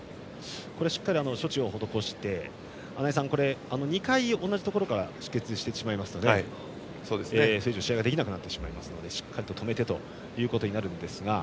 しっかり処置を施して穴井さん、２回同じところから出血してしまうとそれ以上、試合ができなくなってしまいますのでしっかり止めてということになるんですが。